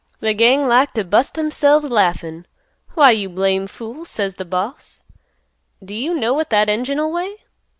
"The gang like t' bust themselves laughin'. 'Why you blame fool,' says the boss; 'do you know what that engine'll weigh?"